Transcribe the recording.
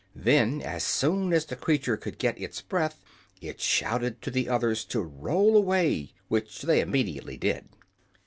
Then, as soon as the creature could get its breath, it shouted to the others to roll away, which they immediately did.